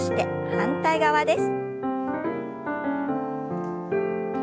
反対側です。